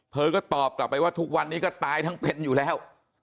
เธอก็ตอบกลับไปว่าทุกวันนี้ก็ตายทั้งเป็นอยู่แล้ว